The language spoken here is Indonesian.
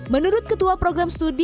menurut ketua program studi